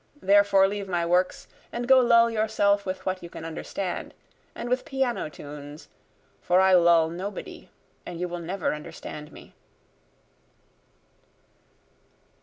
therefore leave my works, And go lull yourself with what you can understand, and with piano tunes, For I lull nobody, and you will never understand me.